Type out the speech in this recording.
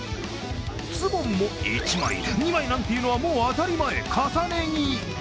ズボンも１枚、２枚なんていうのはもう当たり前、重ね着！